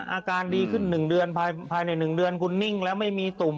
อาการดีขึ้น๑เดือนภายใน๑เดือนคุณนิ่งแล้วไม่มีตุ่ม